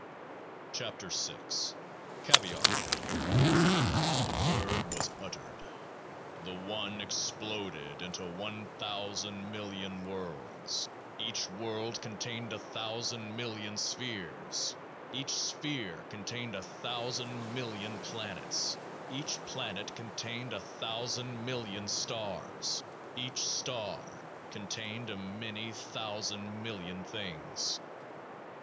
13 KEOAAH F CAVIAR The Word was uttered : the One exploded into one thousand million worlds. Each world contained a thousand million spheres. Each sphere contained a thousand million planes. Each plane contained a thousand million stars. Each star contained a many thousand million things.